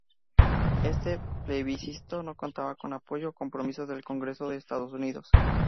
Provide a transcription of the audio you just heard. Este plebiscito no contaba con apoyo o compromiso del Congreso de los Estados Unidos.